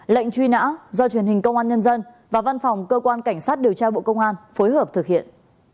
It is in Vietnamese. lệnh truy nã do truyền hình công an nhân dân và văn phòng cơ quan cảnh sát điều tra bộ công an phối hợp thực hiện